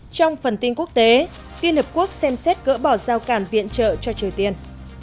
trong phần tin quốc tế liên hợp quốc xem xét gỡ bỏ giao cản viện trợ cho triều tiên